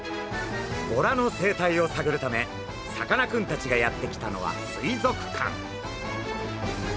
ボラの生態をさぐるためさかなクンたちがやって来たのは水族館。